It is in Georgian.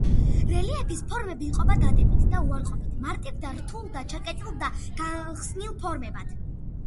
რელიეფის ფორმები იყოფა დადებით და უარყოფით, მარტივ და რთულ და ჩაკეტილ და გახსნილ ფორმებად.